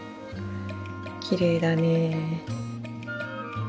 きれいだね。